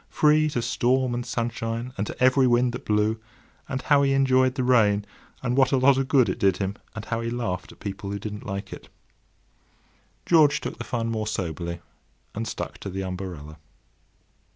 —free to storm and sunshine, and to every wind that blew!—and how he enjoyed the rain, and what a lot of good it did him; and how he laughed at people who didn't like it. George took the fun more soberly, and stuck to the umbrella.